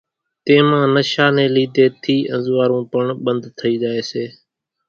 تيمان نشا ني لِيڌي ٿي انزوئارون پڻ ٻنڌ ٿئي زائي سي